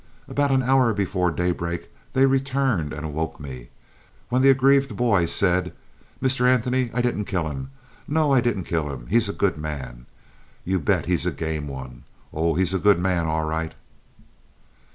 About an hour before daybreak they returned and awoke me, when the aggrieved boy said: "Mr. Anthony, I didn't kill him. No, I didn't kill him. He's a good man. You bet he's a game one. Oh, he's a good man all right."